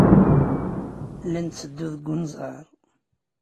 La netteddu deg unẓar.